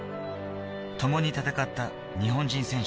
ともに戦った日本人選手。